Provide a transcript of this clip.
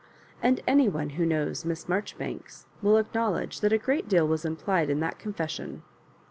And any one who knows Miss Marjoribanks will acknowledge that a great deal ^as implied in that confession.